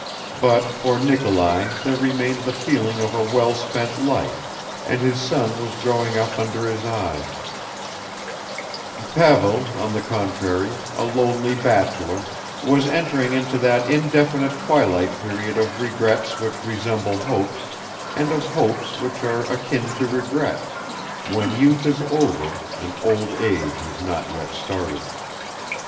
But for Nikolai there remained the feeling of a well spent life, and his son was growing up under his eyes; Pavel, on the contrary, a lonely bachelor, was entering into that indefinite twilight period of regrets which resemble hopes and of hopes which are akin to regrets, when youth is over and old age has not yet started.